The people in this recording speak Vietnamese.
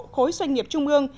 khối doanh nghiệp trung ương